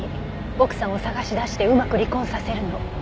「奥さんを探し出してうまく離婚させるの」